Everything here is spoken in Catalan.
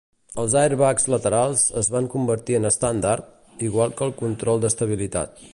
Els airbags laterals es van convertir en estàndard, igual que el control d'estabilitat.